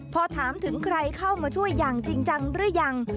พอถามถึงใครเข้ามาช่วยอย่างจริงจังหรือยัง